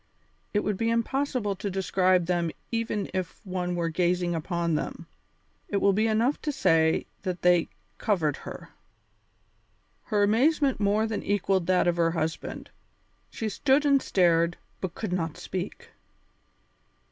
It would be impossible to describe them even if one were gazing upon them. It will be enough to say that they covered her. Her amazement more than equalled that of her husband; she stood and stared, but could not speak.